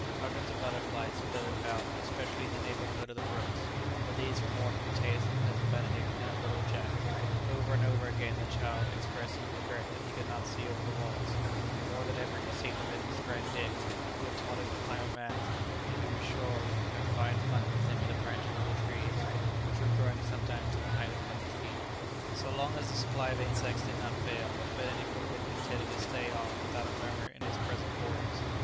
Hundreds of butterflies flitted about, especially in the neighbourhood of the brooks; but these were more to the taste of Cousin Benedict than of little Jack; over and over again the child expressed his regret that he could not see over the walls, and more than ever he seemed to miss his friend Dick, who had taught him to climb a mast, and who he was sure would have fine fun with him in the branches of the trees, which were growing sometimes to the height of a hundred feet. [Illustration: The insufferable heat had driven all the residents within the depót indoors.] So long as the supply of insects did not fail, Benedict would have been contented to stay on without a murmur in his present quarters.